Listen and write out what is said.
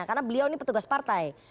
karena beliau ini petugas partai